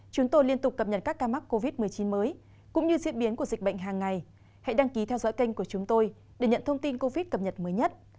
các bạn hãy đăng ký kênh của chúng tôi để nhận thông tin cập nhật mới nhất